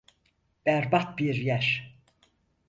Berbat bir yer.